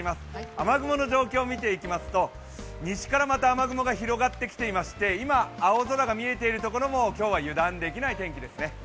雨雲の状況を見ていきますと西から雨雲が広がってきていまして今、青空が見えているところも、今日は油断できない天気ですね。